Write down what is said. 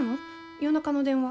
夜中の電話。